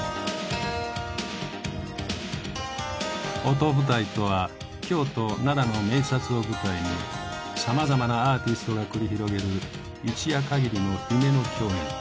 「音舞台」とは京都奈良の名刹を舞台にさまざまなアーティストが繰り広げる一夜かぎりの夢の共演。